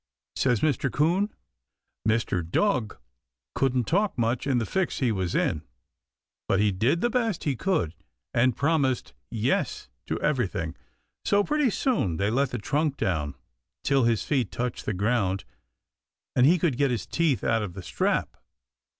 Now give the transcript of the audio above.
says Mr. 'Coon. Mr. Dog couldn't talk much in the fix he was in, but he did the best he could, and promised yes to everything, so pretty soon, they let the trunk down till his feet touched the ground, and he could get his teeth out of the strap.